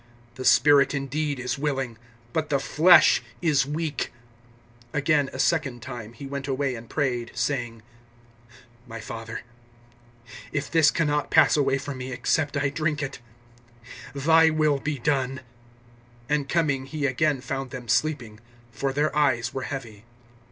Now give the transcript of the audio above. The spirit indeed is willing, but the flesh is weak. (42)Again, a second time, he went away and prayed, saying: My Father, if this can not pass away from me, except I drink it, thy will be done. (43)And coming he again found them sleeping; for their eyes were heavy.